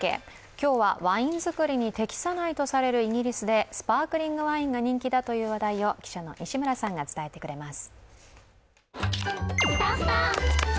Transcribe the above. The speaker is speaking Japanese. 今日はワイン造りに適さないとされるイギリスでスパークリングワインが人気だという話題を記者の西村さんが伝えてくれます。